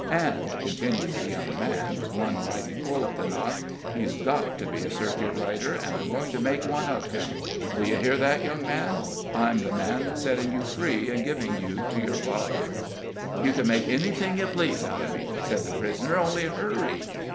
And," continued the young man, with one mighty pull at the knot, "he's got to be a circuit rider, and I'm going to make one of him. Do you hear that, young man? I'm the man that's setting you free and giving you to your father!" "You can make anything you please out of me," said the prisoner. "Only hurry!"